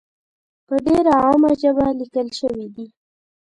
په ډېره عامه ژبه لیکل شوې دي.